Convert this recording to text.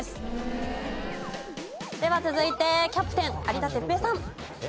では続いてキャプテン有田哲平さん。